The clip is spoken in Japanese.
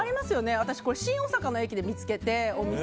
私、これ新大阪の駅でお店を見つけて。